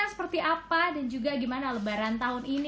seperti apa dan juga gimana lebaran tahun ini